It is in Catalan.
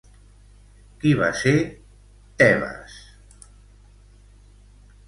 Qui va ser Tebes?